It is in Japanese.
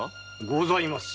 ございます。